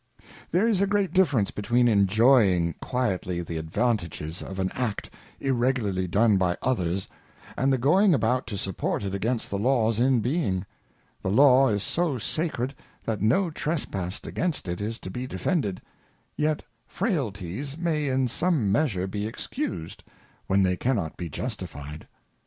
There is a great' difference between enjoying quietly the Advantages of an Act irregularly done by others, and the going about to support it against the Laws in being : t he Law is so Sacred, that no Trespass against it is to be defend ed; yet Frailties may in some measure be excused, when they cannot be justified.